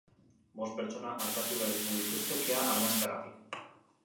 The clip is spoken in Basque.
Bost pertsona artatu behar izan dituzte kea arnasteagatik.